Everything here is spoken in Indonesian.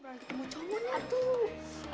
berarti kamu cowoknya tuh